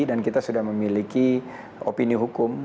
dan kita sudah memiliki opini hukum